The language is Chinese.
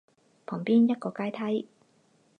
旁边一个阶梯